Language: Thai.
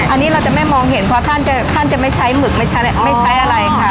อันนี้เราจะไม่มองเห็นเพราะท่านจะไม่ใช้หมึกไม่ใช้อะไรค่ะ